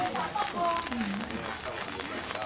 เก็บมั้ยนะ